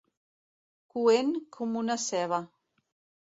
Coent com una ceba.